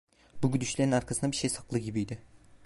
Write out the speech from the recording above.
Bu gülüşlerin arkasında bir şey saklı gibiydi.